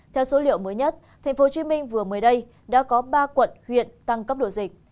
theo số liệu mới nhất tp hcm vừa mới đây đã có ba quận huyện tăng cấp độ dịch